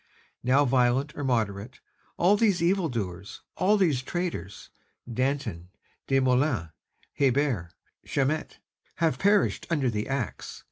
"Now violent or moderate, all these evil doers, all these traitors, Danton, Desmoulins, Hébert, Chaumette, have perished under the axe.